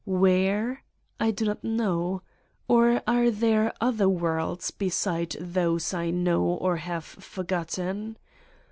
Where? I do not know. Or are there other worlds beside those I know or have forgotten?